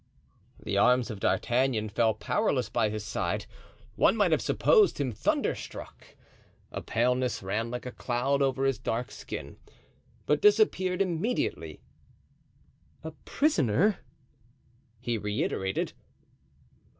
The arms of D'Artagnan fell powerless by his side. One might have supposed him thunderstruck; a paleness ran like a cloud over his dark skin, but disappeared immediately. "A prisoner?" he reiterated.